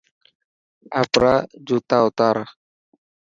آپرا جوتا اوتار.